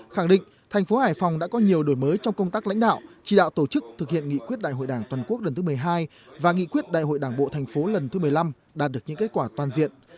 khẳng định thành phố hải phòng đã có nhiều đổi mới trong công tác lãnh đạo chỉ đạo tổ chức thực hiện nghị quyết đại hội đảng toàn quốc lần thứ một mươi hai và nghị quyết đại hội đảng bộ thành phố lần thứ một mươi năm đạt được những kết quả toàn diện